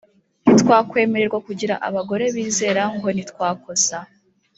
ntitwakwemererwa kugira abagore bizera ngo ntitwakosa.